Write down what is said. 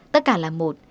tất cả là một